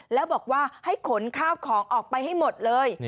แล้วบอกว่าให้ขนข้าวของออกไปให้หมดเลย